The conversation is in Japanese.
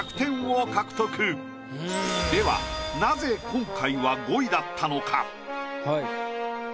ではなぜ今回は５位だったのか？